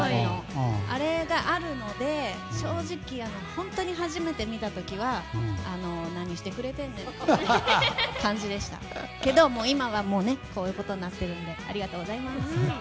あれがあるので正直、本当に初めて見た時は何してくれてんやろって感じでしたけど今はこういうことになっているのでありがとうございます。